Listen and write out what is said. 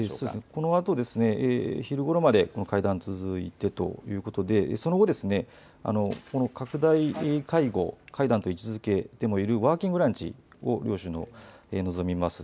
このあと昼ごろまでこの会談、続くということでその後、拡大会談と位置づけてもいるワーキングランチ、両首脳、臨みます。